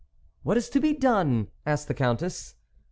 " What is to be done ?" asked the Countess.